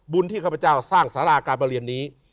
บุญที่ข้าพเจ้าสร้างศาลาการเบอร์เรียนนี้